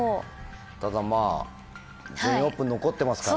ただまぁ「全員オープン」残ってますから。